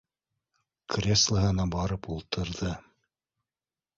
Кресло һына барып ултырҙы: